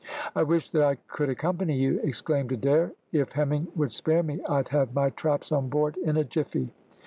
"I wish that I could accompany you," exclaimed Adair. "If Hemming would spare me I'd have my traps on board in a jiffy."